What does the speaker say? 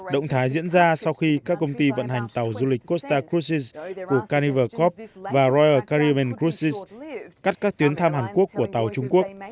động thái diễn ra sau khi các công ty vận hành tàu du lịch costa cruises của carnival corp và royal caribbean cruises cắt các tuyến thăm hàn quốc của tàu trung quốc